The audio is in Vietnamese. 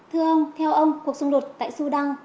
thưa ông theo ông cuộc xung đột tại sudan